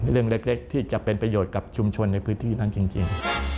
เรื่องเล็กที่จะเป็นประโยชน์กับชุมชนในพื้นที่นั้นจริง